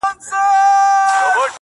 بد ښکارېږم چي وړوکی یم، سلطان یم.!